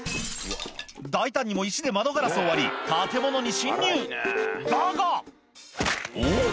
大胆にも石で窓ガラスを割り建物に侵入だがおっ？